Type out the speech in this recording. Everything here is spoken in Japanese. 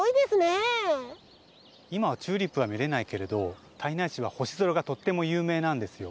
いまはチューリップはみれないけれど胎内市はほしぞらがとってもゆうめいなんですよ。